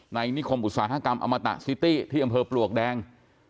นิคมอุตสาหกรรมอมตะซิตี้ที่อำเภอปลวกแดง